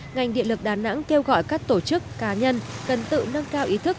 ngành điện lực đà nẵng kêu gọi các tổ chức cá nhân cần tự nâng cao ý thức